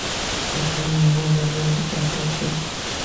কোথায় নিয়ে যাবেন এটাকে?